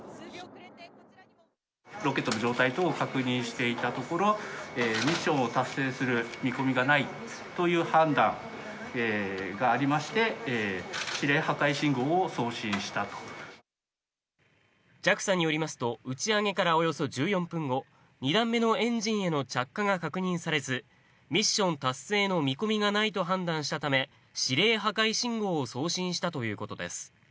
ロケットの状態等、確認していたところ、ミッションを達成する見込みがないという判断がありまして、ＪＡＸＡによりますと、打ち上げからおよそ１４分後、２段目のエンジンへの着火が確認されず、ミッション達成の見込みがないと判断したため、指令破壊信号を送信したということです。